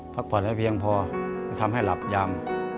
พักผ่อนให้เพียงพอทำให้หลับยาม